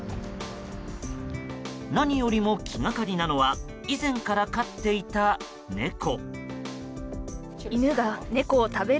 何よりも気がかりなのは以前から飼っていた猫。